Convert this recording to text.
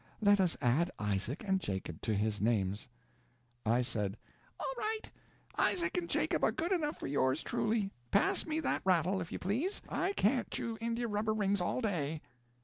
Let us add Isaac and Jacob to his names." I said: "All right. Isaac and Jacob are good enough for yours truly. Pass me that rattle, if you please. I can't chew India rubber rings all day."